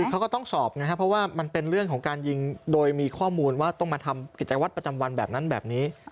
เขาก็ต้องสอบนะครับเพราะว่ามันเป็นเรื่องของการยิงโดยมีข้อมูลว่าต้องมาทำกิจวัตรประจำวันแบบนั้นแบบนี้